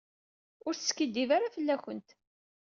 Ur teskiddib ara fell-akent.